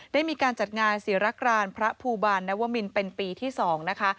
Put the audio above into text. ได้มีการจัดงานศิรกรานพระภูบาลนวมินเป็นปีที่๒นะคะ